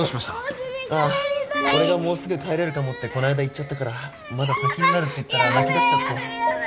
俺がもうすぐ帰れるかもってこの間言っちゃったからまだ先になるって言ったら泣きだしちゃって。